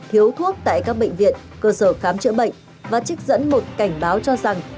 thiếu thuốc tại các bệnh viện cơ sở khám chữa bệnh và trích dẫn một cảnh báo cho rằng